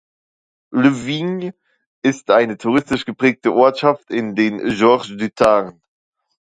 Les Vignes ist eine touristisch geprägte Ortschaft in den Gorges du Tarn.